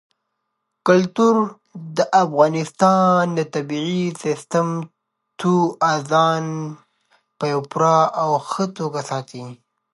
کلتور د افغانستان د طبعي سیسټم توازن په پوره او ښه توګه ساتي.